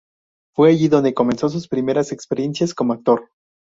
Fue allí donde comenzó sus primeras experiencias como actor.